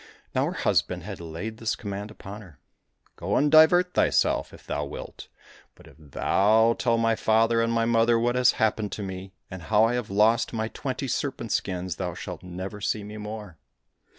Now her husband had laid this command upon her, " Go and divert thyself if thou wilt, but if thou tell my father and my mother what has happened to me, and how I have lost my twenty serpent skins, thou shalt never see me more."